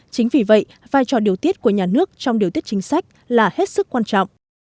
chính vì vậy vai trò điều tiết của nhà nước trong điều tiết chính sách là hết sức quan trọng